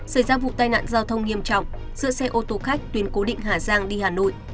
xảy ra vụ tai nạn giao thông nghiêm trọng giữa xe ô tô khách tuyến cố định hà giang đi hà nội